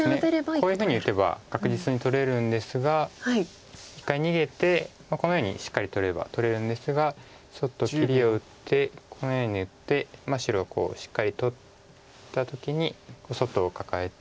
こういうふうに打てば確実に取れるんですが一回逃げてこのようにしっかり取れば取れるんですがちょっと切りを打ってこのように打って白しっかり取った時に外をカカえて。